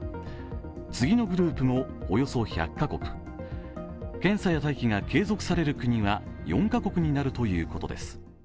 次のグループもおよそ１００カ国検査や待機が継続される国は４カ国になるということです。